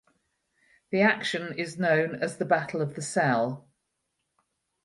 The action is known as the Battle of the Selle.